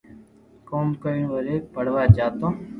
ڪوم ڪرين وري پڙوا جاتو